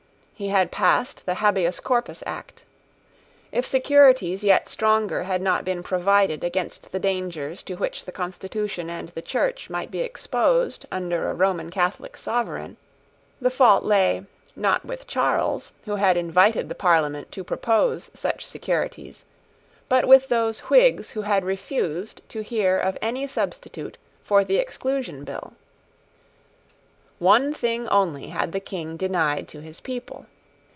He had passed the Habeas Corpus Act. If securities yet stronger had not been provided against the dangers to which the constitution and the Church might be exposed under a Roman Catholic sovereign, the fault lay, not with Charles who had invited the Parliament to propose such securities, but with those Whigs who had refused to hear of any substitute for the Exclusion Bill. One thing only had the King denied to his people.